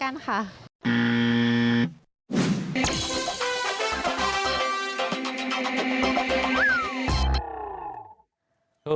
ไม่รู้จัก